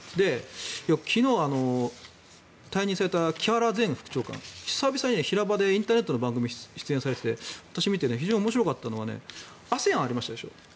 昨日、退任された木原善副長官久しぶりに平場でインターネットの番組に出演されていて、私が見て非常に面白かったのはＡＳＥＡＮありましたでしょ？